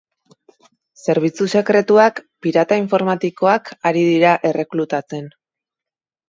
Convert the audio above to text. Zerbitzu sekretuak pirata informatikoak ari dira erreklutatzen.